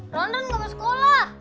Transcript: ronron gak mau sekolah